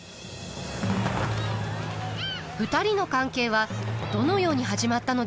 ２人の関係はどのように始まったのでしょうか。